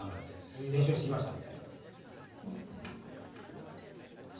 練習してきましたんで。